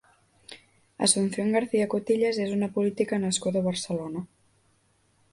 Asunción García Cotillas és una política nascuda a Badalona.